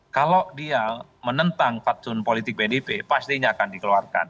kalau dia menentang faksun politik pdip pastinya akan dikeluarkan